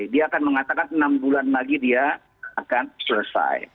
dia akan mengatakan enam bulan lagi dia akan selesai